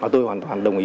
tôi hoàn toàn đồng ý